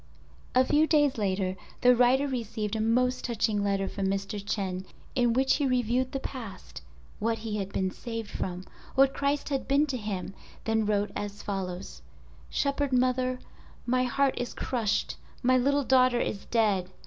A few days later the writer received a most touching letter from Mr. Chen in which he reviewed the past—what he had been saved from—what Christ had been to him—then wrote as follows— "Shepherd Mother—My heart is crushed, my little daughter is dead.